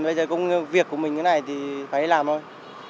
bây giờ công việc của mình cái này thì phải làm thôi